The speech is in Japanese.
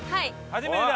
初めてだ！